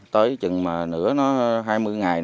tới chừng mà nửa nó hai mươi ngày